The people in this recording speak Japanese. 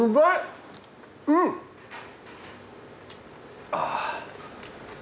うん。ああ。